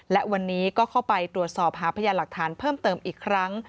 และวันนี้ก็เข้าไปตรวจสอบหาพยานหลักฐานเพิ่มเติมอีกครั้ง